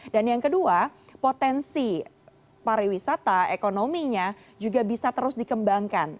dan yang kedua potensi pariwisata ekonominya juga bisa terus dikembangkan